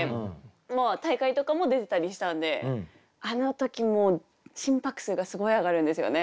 もう大会とかも出てたりしたんであの時もう心拍数がすごい上がるんですよね。